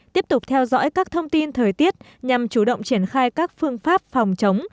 tiếp tục theo dõi các thông tin thời tiết nhằm chủ động triển khai các phương pháp phòng chống